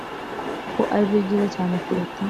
Ko ari ryo ryiza cyane kuruta